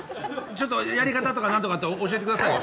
ちょっとやり方とか何とかって教えて下さいよ。